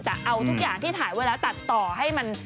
เอาทุกอย่างที่ถ่ายไว้แล้วตัดต่อให้มัน